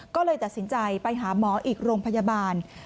ก็เลยตัดสินใจไปหาหมออีกโรงพยาบาล